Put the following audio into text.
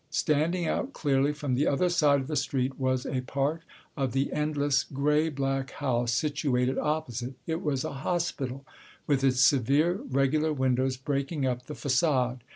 Standing out clearly from the other side of the street was a part of the endless grey black house situated opposite—it was a hospital—with its severe regular windows breaking up the facade.